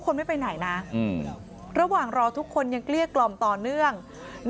คนไม่ไปไหนนะระหว่างรอทุกคนยังเกลี้ยกล่อมต่อเนื่อง